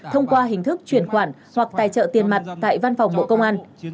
thông qua hình thức chuyển khoản hoặc tài trợ tiền mặt tại văn phòng bộ công an